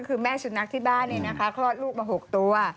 คือแม่สุดนักที่บ้านนี่นะคะคลอดลูกมา๖ตัว